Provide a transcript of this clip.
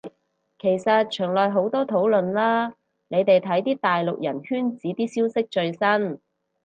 其實牆內好多討論啦，你哋睇啲大陸人圈子啲消息最新